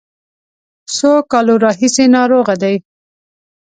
څو کالو راهیسې ناروغه دی.